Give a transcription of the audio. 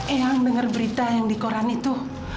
eang dengar berita yang di koran itu